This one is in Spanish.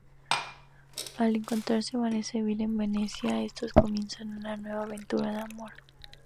Al encontrarse Vanesa y Bill en Venecia, estos comienzan una aventura de amor.